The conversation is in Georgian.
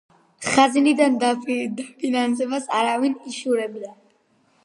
ხაზინიდან დაფინანსებას არავინ იშურებდა.